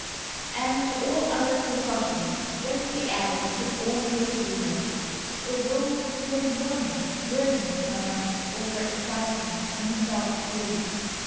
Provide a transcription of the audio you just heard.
And to all other precautions, Geoffrey added his own wakefulness, although toward morning weariness triumphed over excitement and he fell asleep.